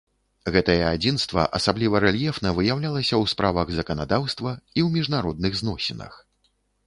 Гэтае адзінства асабліва рэльефна выяўлялася ў справах заканадаўства і ў міжнародных зносінах.